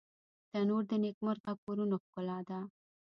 تنور د نیکمرغه کورونو ښکلا ده